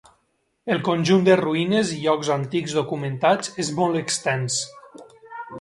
El conjunt de ruïnes i llocs antics documentats és molt extens.